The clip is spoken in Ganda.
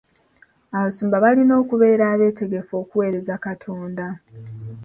Abasumba balina okubeera abeetegefu okuweereza Katonda.